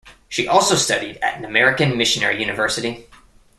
She also studied at an American missionary university.